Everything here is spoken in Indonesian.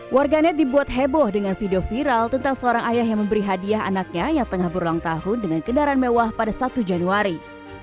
warganet dibuat heboh dengan video viral tentang seorang ayah yang memberi hadiah anaknya yang tengah berulang tahun dengan kendaraan mewah pada satu januari